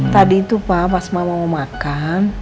tadi itu pak pas mau makan